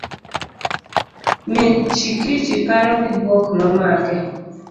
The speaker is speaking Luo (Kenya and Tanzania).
Min Chikichi paro gi buok nomake.